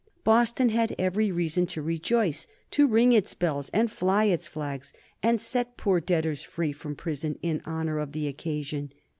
Boston had every reason to rejoice, to ring its bells and fly its flags, and set poor debtors free from prison in honor of the occasion.